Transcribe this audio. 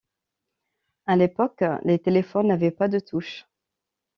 À l'époque les téléphones n'avaient pas de touches.